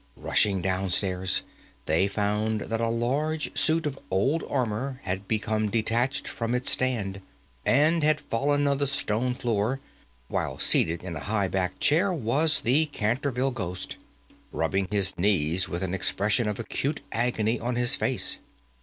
Rushing down stairs, they found that a large suit of old armour had become detached from its stand, and had fallen on the stone floor, while seated in a high backed chair was the Canterville ghost, rubbing his knees with an expression of acute agony on his face.